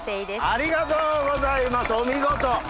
ありがとうございますお見事！